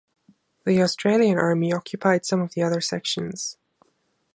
The Australian army occupied some of the other sections.